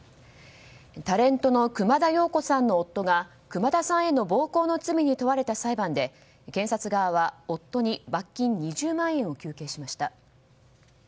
タレントの熊田曜子さんの夫が熊田さんへの暴行の罪に問われた裁判で検察側は夫に罰金２０万円を求刑しました。